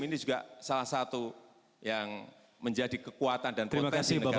ini juga salah satu yang menjadi kekuatan dan potensi negara